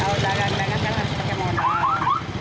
kalau dagang dagang kan harus pakai modal